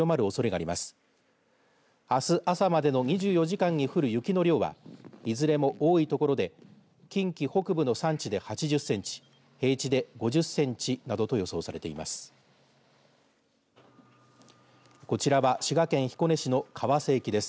あす朝までの２４時間に降る雪の量はいずれも多い所で近畿北部の山地で８０センチ平地で５０センチなどと予想されています。